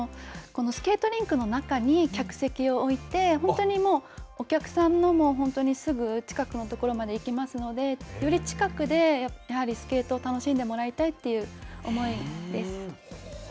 このスケートリンクの中に客席を置いて、本当にお客さんの本当にすぐ近くの所まで行けますので、より近くでやはりスケートを楽しんでもらいたいという思いです。